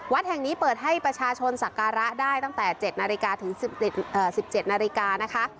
แห่งนี้เปิดให้ประชาชนสักการะได้ตั้งแต่๗นาฬิกาถึง๑๗นาฬิกานะคะ